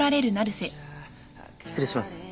失礼します。